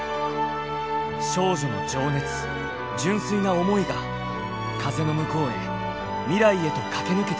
少女の情熱純粋な思いが風の向こうへ未来へと駆け抜けていく。